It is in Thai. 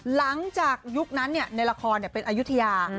หลังจากยุคนั้นเนี่ยในละครเนี่ยเป็นอายุทยา